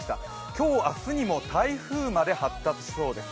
今日、明日にも台風まで発達しそうです。